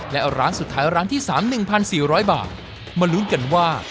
และร้านสุดท้ายร้านที่สามหนึ่งพันสี่ร้อยบาทมารู้กันว่า